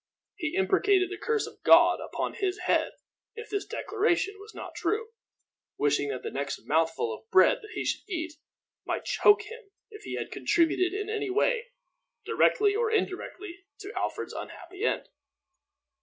He imprecated the curse of God upon his head if this declaration was not true, wishing that the next mouthful of bread that he should eat might choke him if he had contributed in any way, directly or indirectly, to Alfred's unhappy end.